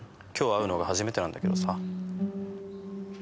今日会うのが初めてなんだけどさ。